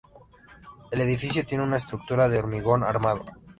El edificio tiene una estructura de hormigón armado.